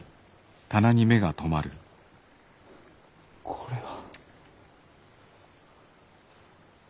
これは。